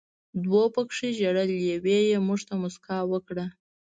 دوو پکې ژړل، یوې یې موږ ته موسکا وکړه.